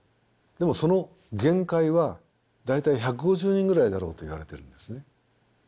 でもその限界は大体１５０人ぐらいだろうといわれているんですね。